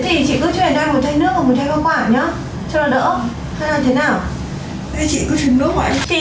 thế thì chị cứ chuyển ra một chai nước và một chai hoa quả nhé